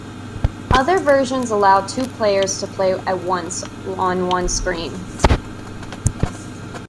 Other versions allow two players to play at once on one screen.